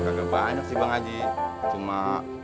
kagak banyak sih bang haji cuma